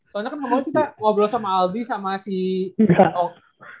soalnya kan kemaren kita ngobrol sama aldi sama si ong